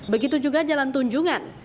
begitu juga jalan tunjungan